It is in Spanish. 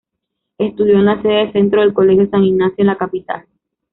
Estudió en la sede centro del Colegio San Ignacio, en la capital.